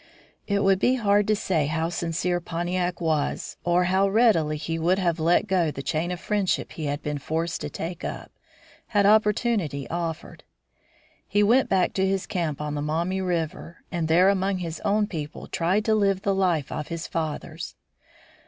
It would be hard to say how sincere Pontiac was, or how readily he would have let go the chain of friendship he had been forced to take up, had opportunity offered. He went back to his camp on the Maumee River, and there among his own people tried to live the life of his fathers.